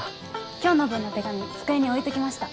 今日の分の手紙机に置いときました。